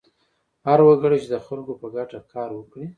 هر وګړی چې د خلکو په ګټه کار وکړي.